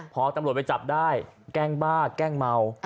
พอตำรวจไปจับได้แกล้งบ้าแกล้งเมา